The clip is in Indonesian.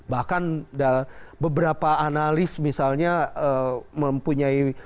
bahkan beberapa analis misalnya mempunyai